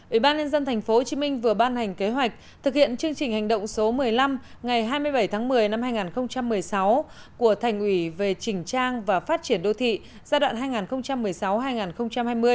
ủy ban nhân dân thành phố hồ chí minh vừa ban hành kế hoạch thực hiện chương trình hành động số một mươi năm ngày hai mươi bảy tháng một mươi năm hai nghìn một mươi sáu của thành ủy về trình trang và phát triển đô thị giai đoạn hai nghìn một mươi sáu hai nghìn hai mươi